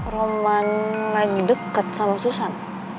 roman lain deket sama susan